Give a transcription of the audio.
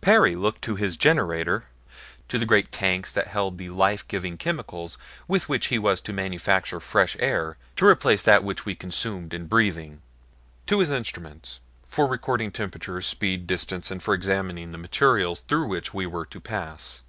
Perry looked to his generator; to the great tanks that held the life giving chemicals with which he was to manufacture fresh air to replace that which we consumed in breathing; to his instruments for recording temperatures, speed, distance, and for examining the materials through which we were to pass.